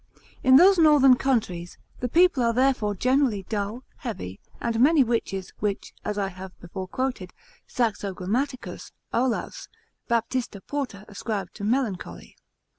In those northern countries, the people are therefore generally dull, heavy, and many witches, which (as I have before quoted) Saxo Grammaticus, Olaus, Baptista Porta ascribe to melancholy.